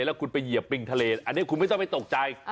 แล้วคุณไปเหยียบปริงทะเลอันนี้คุณไม่ต้องไปตกใจ